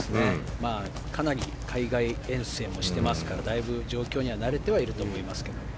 かなり海外遠征もしていますからだいぶ状況には慣れていると思いますけど。